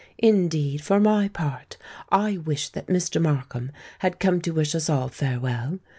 "Indeed, for my part, I wish that Mr. Markham had come to wish us all farewell.